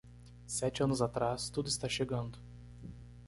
Sete anos atrás, tudo está chegando.